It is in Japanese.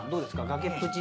崖っぷち。